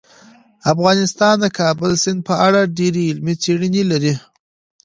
افغانستان د کابل سیند په اړه ډېرې علمي څېړنې لري.